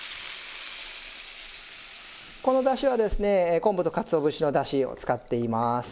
このだしはですね昆布とかつお節のだしを使っています。